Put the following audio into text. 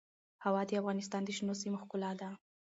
هوا د افغانستان د شنو سیمو ښکلا ده.